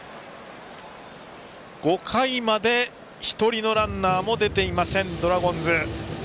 ５回まで１人のランナーも出ていません、ドラゴンズ。